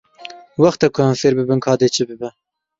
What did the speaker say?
Wext e ku em fêr bibin ka dê çi bibe.